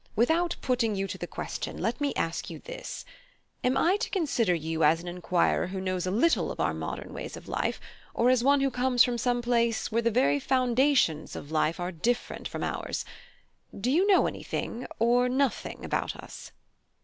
Without putting you to the question, let me ask you this: Am I to consider you as an enquirer who knows a little of our modern ways of life, or as one who comes from some place where the very foundations of life are different from ours, do you know anything or nothing about us?"